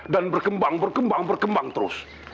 dan berkembang berkembang berkembang terus